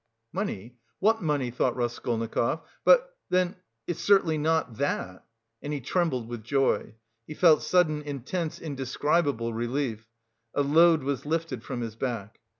"Money? What money?" thought Raskolnikov, "but... then... it's certainly not that." And he trembled with joy. He felt sudden intense indescribable relief. A load was lifted from his back.